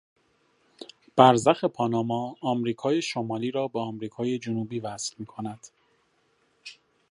برزخ پاناما امریکای شمالی را به امریکای جنوبی وصل میکند.